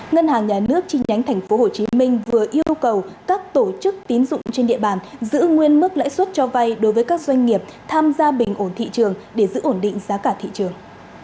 ngân hàng nhà nước chi nhánh tp hcm vừa yêu cầu các tổ chức tín dụng trên địa bàn giữ nguyên mức lãi suất cho vay đối với các doanh nghiệp tham gia bình ổn thị trường để giữ ổn định giá cả thị trường